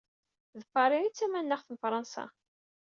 D Paris i d tamanaɣt n Fransa.